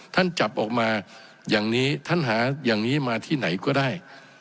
จับออกมาอย่างนี้ท่านหาอย่างนี้มาที่ไหนก็ได้